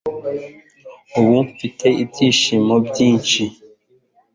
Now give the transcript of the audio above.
ubu mfite ibyishimo byinshi